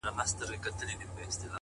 تلاوت دي د ښايستو شعرو كومه.!